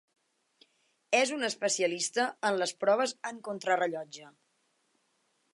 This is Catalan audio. És un especialista en les proves en contrarellotge.